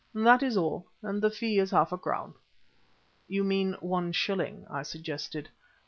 That is all, and the fee is half a crown." "You mean one shilling," I suggested.